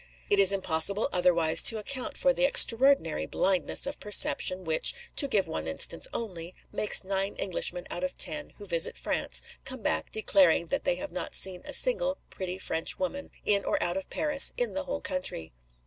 It is impossible otherwise to account for the extraordinary blindness of perception which (to give one instance only) makes nine Englishmen out of ten who visit France come back declaring that they have not seen a single pretty Frenchwoman, in or out of Paris, in the whole country.